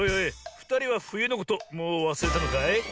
ふたりはふゆのこともうわすれたのかい？